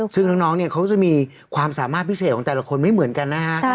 ซึ่งน้องเนี่ยเขาจะมีความสามารถพิเศษของแต่ละคนไม่เหมือนกันนะฮะ